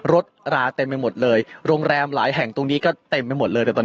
ราเต็มไปหมดเลยโรงแรมหลายแห่งตรงนี้ก็เต็มไปหมดเลยแต่ตอน